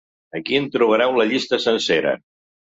Ací en trobareu la llista sencera.